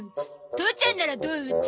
父ちゃんならどう打つ？